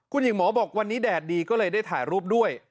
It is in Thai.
คุณหญิงหมอบอกวันนี้แดดดีก็เลยได้ถ่ายรูปด้วย